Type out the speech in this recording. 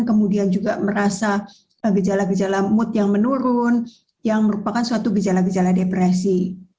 kemudian juga merasa gejala gejala mood yang menurun yang merupakan suatu gejala gejala depresi